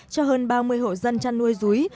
cho hơn ba mươi hộ dân chăn nuôi rúi